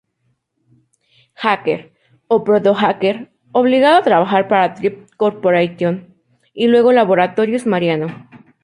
Hacker o proto-hacker obligado a trabajar para Trip Corporation y luego Laboratorios Mariano.